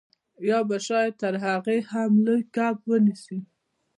یا به شاید تر هغه هم لوی کب ونیسئ